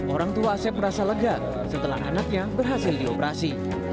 orang tua asep merasa lega setelah anaknya berhasil dioperasi